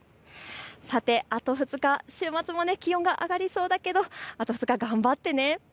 さてあと２日、週末も気温が上がりそうですがあと２日、頑張ってね。